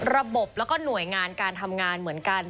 ระบบแล้วก็หน่วยงานการทำงานเหมือนกัน